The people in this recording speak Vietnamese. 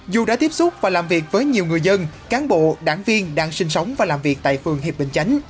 dù đã tiếp xúc và làm việc với nhiều người dân cán bộ đảng viên đang sinh sống và làm việc tại phường hiệp bình chánh